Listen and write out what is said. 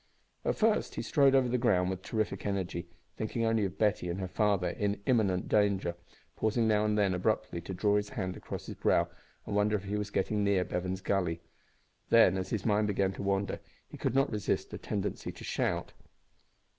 At first he strode over the ground with terrific energy, thinking only of Betty and her father in imminent danger; pausing now and then abruptly to draw his hand across his brow and wonder if he was getting near Bevan's Gully. Then, as his mind began to wander, he could not resist a tendency to shout.